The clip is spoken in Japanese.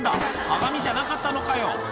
鏡じゃなかったのかよ。